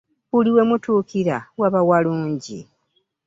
Buli we mutuukira waba walungi.